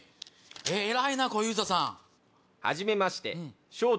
偉いなぁ小遊三さん。